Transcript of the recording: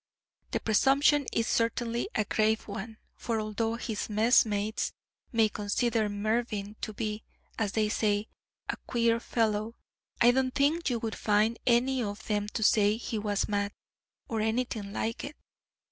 The presumption is certainly a grave one, for although his messmates may consider Mervyn to be, as they say, a queer fellow, I do not think you would find any of them to say he was mad, or anything like it.